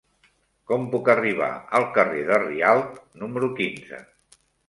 Com puc arribar al carrer de Rialb número quinze?